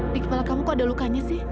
di kepala kamu kenapa ada luka